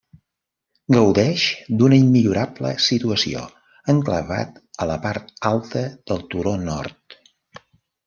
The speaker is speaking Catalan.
Gaudeix d'una immillorable situació, enclavat a la part alta del turó nord.